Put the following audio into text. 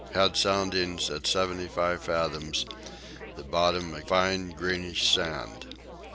Had soundings at seventy five fathoms; the bottom a fine greenish sand.